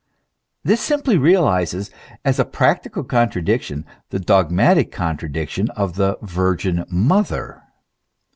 This simply realizes, as a practical contradiction, the dogmatic contradiction of the Virgin Mother.